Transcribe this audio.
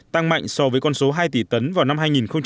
tăng mạnh so với con số hai tỷ tấn vào năm hai nghìn một mươi